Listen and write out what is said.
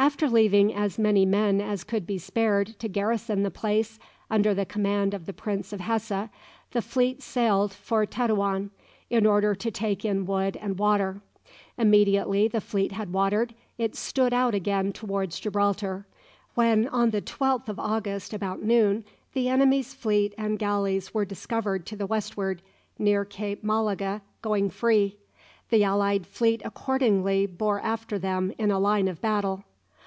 After leaving as many men as could be spared to garrison the place, under the command of the Prince of Hesse, the fleet sailed for Tetuan, in order to take in wood and water. Immediately the fleet had watered, it stood out again towards Gibraltar, when on the lath of August about noon, the enemy's fleet and galleys were discovered to the westward, near Cape Malaga, going free. The allied fleet accordingly bore after them in a line of battle.